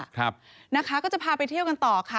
ครับนะคะก็จะพาไปเที่ยวกันต่อค่ะ